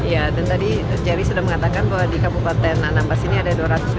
ya dan tadi jerry sudah mengatakan bahwa di kabupaten anambas ini ada dua ratus empat puluh